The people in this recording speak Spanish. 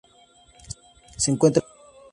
Se encuentra en Hawai.